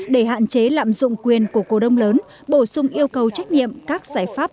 để hạn chế lạm dụng quyền của cổ đông lớn bổ sung yêu cầu trách nhiệm các giải pháp